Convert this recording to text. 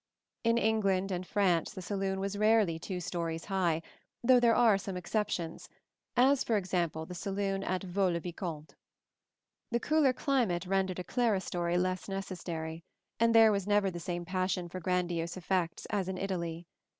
In England and France the saloon was rarely two stories high, though there are some exceptions, as for example the saloon at Vaux le Vicomte. The cooler climate rendered a clerestory less necessary, and there was never the same passion for grandiose effects as in Italy.